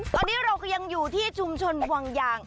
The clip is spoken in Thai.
ตอนนี้เราก็ยังอยู่ที่ชุมชนวังยาง